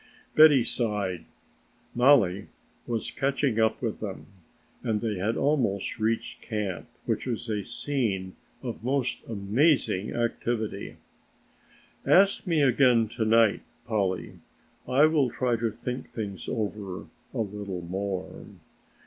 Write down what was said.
Betty sighed. Mollie was catching up with them and they had almost reached camp, which was a scene of the most amazing activity. "Ask me again to night, Polly, I will try to think things over a little more."